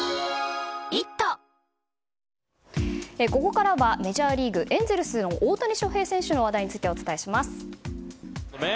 ここからはメジャーリーグエンゼルスの大谷翔平選手の話題についてお伝えします。